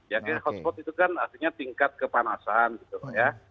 ya hotspot itu kan artinya tingkat kepanasan gitu ya